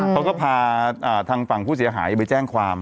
เขาก็พาทางฝั่งผู้เสียหายไปแจ้งความ